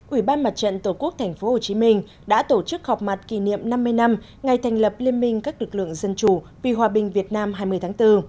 ủy ban mặt trận tổ quốc tp hcm đã tổ chức họp mặt kỷ niệm năm mươi năm ngày thành lập liên minh các lực lượng dân chủ vì hòa bình việt nam hai mươi tháng bốn